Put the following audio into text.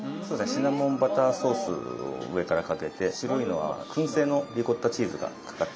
シナモンバターソースを上からかけて白いのはくん製のリコッタチーズがかかってます。